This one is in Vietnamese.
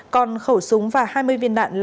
còn khẩu súng và hai mươi viên đạn